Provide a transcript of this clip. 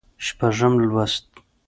شپږم لوست